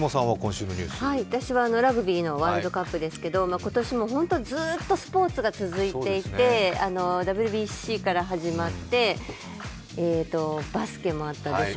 私はラグビーのワールドカップですけど今年本当にずっとスポーツが続いていてＷＢＣから始まって、バスケもあったでしょ